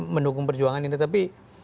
mendukung perjuangan ini tapi